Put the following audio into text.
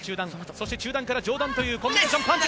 そして中段から上段というコンビネーション。